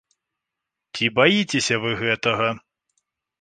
Ці баіцеся вы гэтага?